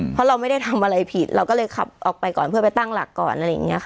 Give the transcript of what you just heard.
เพราะเราไม่ได้ทำอะไรผิดเราก็เลยขับออกไปก่อนเพื่อไปตั้งหลักก่อน